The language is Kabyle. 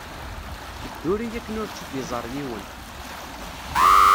Tedduri akken ur tt-id-iẓer yiwen.